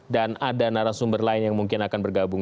dan ada narasumber lain yang mungkin akan bergabung